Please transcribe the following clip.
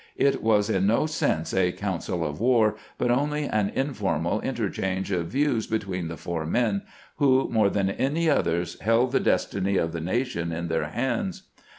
It was in no sense a coun cil of war, but only an informal interchange of views between the four men who, more than any others, held the destiny of the nation in their hands.